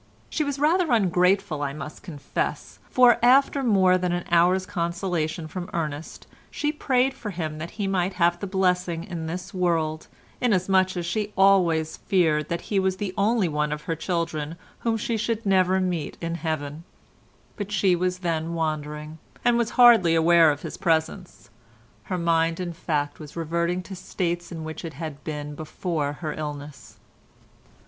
She was rather ungrateful, I must confess, for after more than an hour's consolation from Ernest she prayed for him that he might have every blessing in this world, inasmuch as she always feared that he was the only one of her children whom she should never meet in heaven; but she was then wandering, and was hardly aware of his presence; her mind in fact was reverting to states in which it had been before her illness.